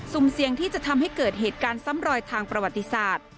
เสี่ยงที่จะทำให้เกิดเหตุการณ์ซ้ำรอยทางประวัติศาสตร์